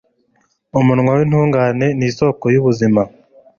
Umunwa w’intungane ni isoko y’ubuzima